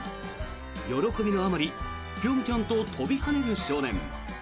喜びのあまりピョンピョンと跳びはねる少年。